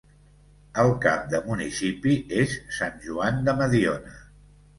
El cap de municipi és Sant Joan de Mediona.